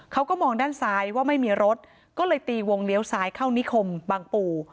เขาก็มองด้านซ้ายว่าไม่มีรถก็เลยตีวงเลี้ยวซ้ายเข้านิคมบางปู่